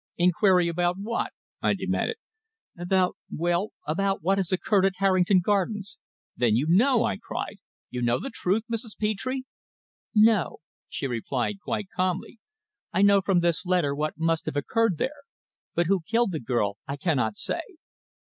"Inquiry about what?" I demanded. "About well, about what has occurred at Harrington Gardens." "Then you know!" I cried. "You know the truth, Mrs. Petre?" "No," she replied quite calmly. "I know from this letter what must have occurred there. But who killed the girl I cannot say."